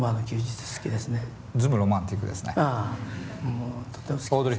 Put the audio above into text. もうとても好きですね。